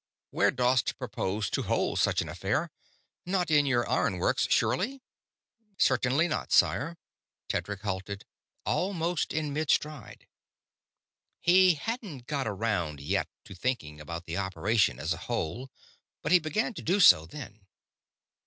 Where dost propose to hold such an affair? Not in your ironworks, surely?" "Certainly not, sire." Tedric halted, almost in midstride. He hadn't got around yet to thinking about the operation as a whole, but he began to do so then.